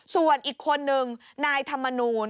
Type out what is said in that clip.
ส่วนอีกคนนึงนายธรรมนูล